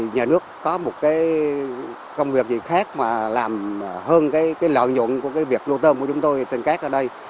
nếu có công việc gì khác mà làm hơn lợi nhuận của việc nuôi tôm của chúng tôi trên cát ở đây